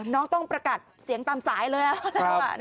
น้องต้องประกัดเสียงตามสายเลย